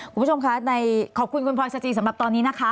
คุณผู้ชมคะในขอบคุณคุณพลอยสจีสำหรับตอนนี้นะคะ